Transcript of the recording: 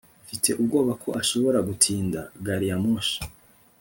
Mfite ubwoba ko ashobora gutinda gari ya moshi